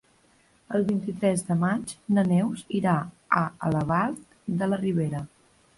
El vint-i-tres de maig na Neus irà a Albalat de la Ribera.